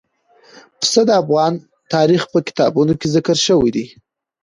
پسه د افغان تاریخ په کتابونو کې ذکر شوي دي.